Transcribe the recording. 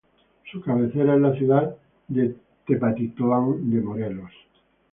Su cabecera es la ciudad de Tepatitlán de Morelos.